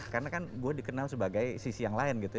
karena kan gue dikenal sebagai sisi yang lain gitu